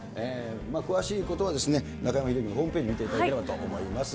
詳しいことは中山秀征のホームページ見ていただければと思います。